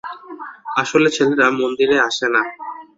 আসলে ছেলেরা মন্দিরে আসে না।